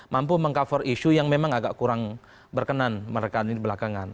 mampu meng cover isu yang memang agak kurang berkenan mereka ini belakangan